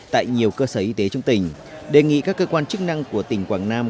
tại nhiều cơ sở y tế trong tỉnh đề nghị các cơ quan chức năng của tỉnh quảng nam